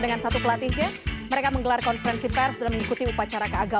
dengan satu pelatihnya mereka menggelar konfrensi pernikahan indonesia yang menjelang kelas tersebut dan